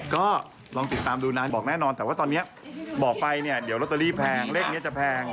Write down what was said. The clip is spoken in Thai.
ก็ลองติดตามดูนานบอกแน่นอนแต่ว่าตอนนี้บอกไปเนี่ยเดี๋ยวลอตเตอรี่แพงเลขนี้จะแพง